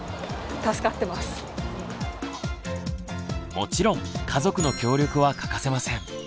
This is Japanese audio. もちろん家族の協力は欠かせません。